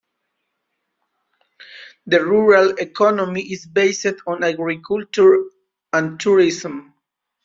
The rural economy is based on agriculture and tourism.